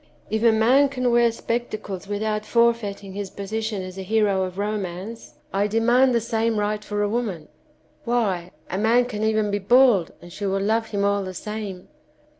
If a man can wear spectacles without forfeiting his position as a hero of romance, I demand 221 The Champagne Standard the same right for a woman. Why, a man can even be bald and she will love him all the same!